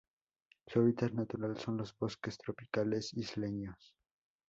Su hábitat natural son los bosques tropicales isleños.